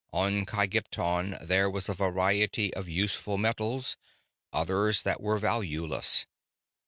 On Kygpton there was a variety of useful metals, others that were valueless.